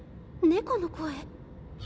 猫の声？